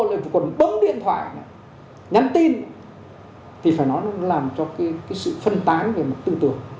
lại vừa còn bấm điện thoại nhắn tin thì phải nói nó làm cho cái sự phân tán về một tư tưởng